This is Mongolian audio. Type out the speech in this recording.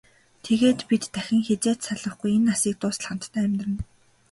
Тэгээд бид дахин хэзээ ч салахгүй, энэ насыг дуустал хамтдаа амьдарна.